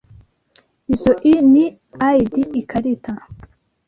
Izoi ni I.D. ikarita.